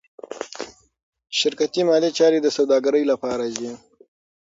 شرکتي مالي چارې د سوداګرۍ لپاره دي.